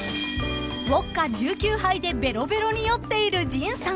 ［ウオッカ１９杯でベロベロに酔っている陣さん］